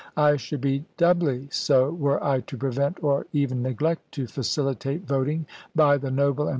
I should be doubly so were I to prevent or even neglect to facilitate voting by the noble and Vol.